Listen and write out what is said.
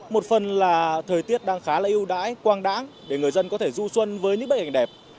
một phần là thời tiết đang khá là ưu đãi quang đáng để người dân có thể du xuân với những bệnh hình đẹp